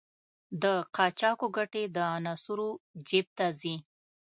د قاچاقو ګټې د عناصرو جېب ته ځي.